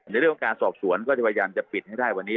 ในเรื่องวาการสอบสวนบทรงจนจะปิดให้ได้วันนี้